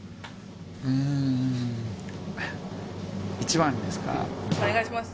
うーん一番ですかお願いします